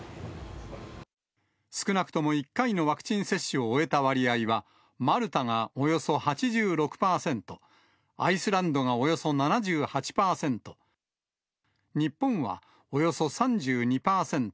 少なくとも１回のワクチン接種を終えた割合は、マルタがおよそ８６％、アイスランドがおよそ７８％、日本はおよそ３２％。